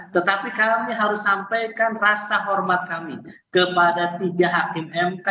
tetapi kami harus sampaikan rasa hormat kami kepada tiga hakim mk